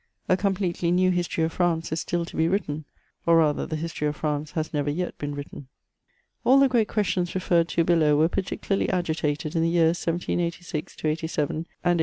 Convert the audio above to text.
A completely new history of France is stiU to be written, or rather the Histoiy of France has never yet been written. AU the great questions referred to below were particularly agitated in die years 1786 87 and '88.